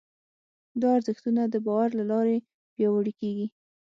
دا ارزښتونه د باور له لارې پياوړي کېږي.